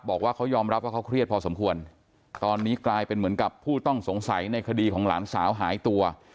บอกว่าเขายอมรับว่าเขาเครียดพอสมควรตอนนี้กลายเป็นเหมือนกับผู้ต้องสงสัยในคดีของหลานสาวหายตัว